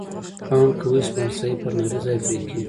پام کوئ! سپڼسی پر نري ځای پرې کېږي.